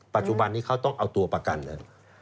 ปัจจุบันนี้เขาต้องเอาตัวประกันเลย